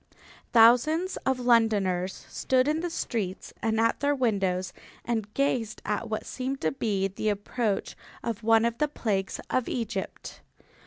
Thousands of Londoners stood in the streets and at their windows and gazed at what seemed to be the approach of one of the plagues of Egypt.